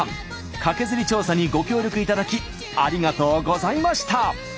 カケズリ調査にご協力いただきありがとうございました。